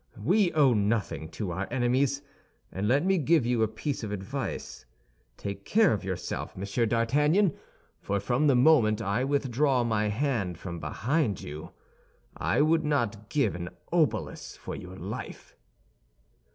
We owe nothing to our enemies; and let me give you a piece of advice; take care of yourself, Monsieur d'Artagnan, for from the moment I withdraw my hand from behind you, I would not give an obolus for your life."